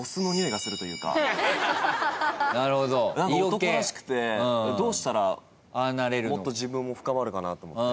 男らしくてどうしたらもっと自分も深まるかなと。